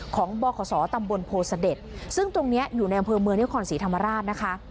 ของบขสตำบลโพศเดชซึ่งตรงเนี้ยอยู่ในอำเภอเมืองเนี้ยขอนศรีธรรมราชนะคะ